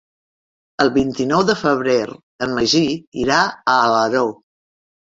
El vint-i-nou de febrer en Magí irà a Alaró.